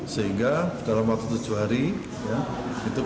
sehingga dalam waktu tujuh hari itu kalau tidak ada yang melakukan